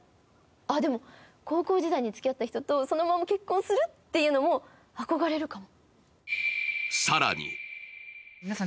あっ、でも、高校時代につきあった人と、そのまま結婚するというのも憧れるかも。